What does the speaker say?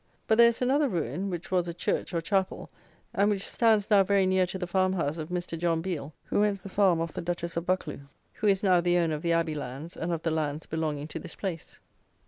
But there is another ruin, which was a church or chapel, and which stands now very near to the farm house of Mr. John Biel, who rents the farm of the Duchess of Buccleugh, who is now the owner of the abbey lands and of the lands belonging to this place.